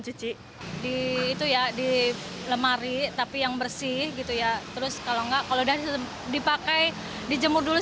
cuci di itu ya di lemari tapi yang bersih gitu ya terus kalau enggak kalau udah dipakai dijemur dulu